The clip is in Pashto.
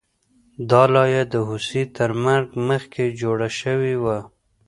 دا لایه د هوسۍ تر مرګ مخکې جوړه شوې وه